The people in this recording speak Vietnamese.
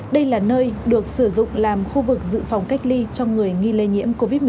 đây là nơi được sử dụng làm khu vực dự phòng cách ly cho người nghi lây nhiễm covid một mươi chín